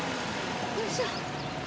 よいしょ。